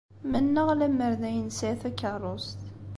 Mennaɣ lemmer d ay nesɛi takeṛṛust.